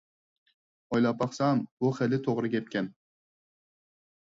ئويلاپ باقسام بۇ خېلى توغرا گەپكەن.